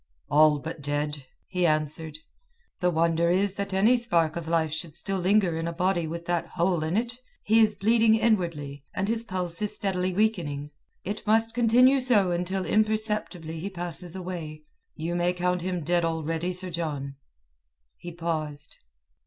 "All but dead," he answered. "The wonder is that any spark of life should still linger in a body with that hole in it. He is bleeding inwardly, and his pulse is steadily weakening. It must continue so until imperceptibly he passes away. You may count him dead already, Sir John." He paused.